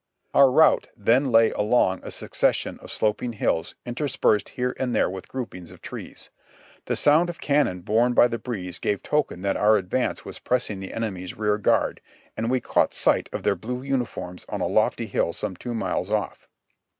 Our route then lay along a succession of sloping hills inter spersed here and there with groupings of trees. The sound of cannon borne by the breeze gave token that our advance was pressing the enemy's rear guard, and we caught sight of their blue uniforms on a lofty hill some two miles off.